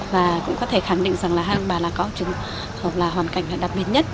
và cũng có thể khẳng định rằng là hai ông bà là có trường hợp là hoàn cảnh đặc biệt nhất